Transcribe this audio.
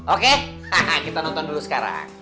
oke kita nonton dulu sekarang